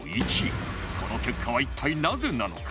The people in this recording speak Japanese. この結果は一体なぜなのか？